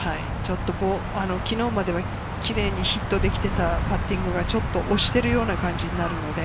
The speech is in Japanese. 昨日までは、キレイにヒットできていたパッティングがちょっと押してるような感じになるので。